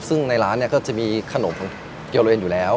ซึ่งในร้านก็จะมีขนมเกลียวละเอ็นอยู่แล้ว